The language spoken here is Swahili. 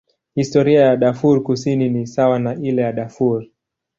Historia ya Darfur Kusini ni sawa na ile ya Darfur.